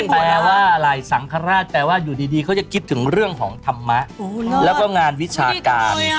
แปลว่าอะไรสังฆราชแปลว่าอยู่ดีเขาจะคิดถึงเรื่องของธรรมะแล้วก็งานวิชาการ